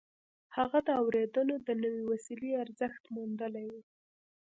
هغه د اورېدلو د نوې وسيلې ارزښت موندلی و.